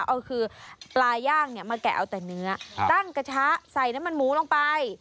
เอาคือปลาย่างมาแกะเอาแต่เนื้อตั้งกระทะใส่น้ำมันหมูลงไป